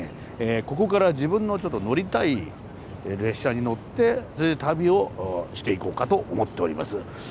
ここから自分のちょっと乗りたい列車に乗ってそれで旅をしていこうかと思っております。